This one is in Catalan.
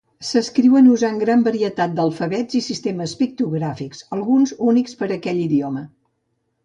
S'escriuen usant gran varietat d'alfabets i sistemes pictogràfics, alguns únics per a aquell idioma.